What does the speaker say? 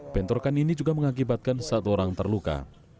bentrokan ini juga mengakibatkan satu orang terluka